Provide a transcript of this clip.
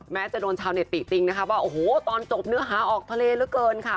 จะโดนชาวเน็ตติติงนะคะว่าโอ้โหตอนจบเนื้อหาออกทะเลเหลือเกินค่ะ